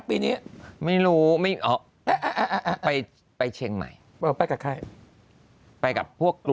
เพราะพ่อชะลีไปไหว้พระ